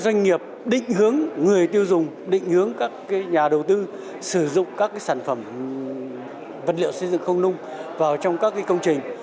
doanh nghiệp định hướng người tiêu dùng định hướng các nhà đầu tư sử dụng các sản phẩm vật liệu xây dựng không nung vào trong các công trình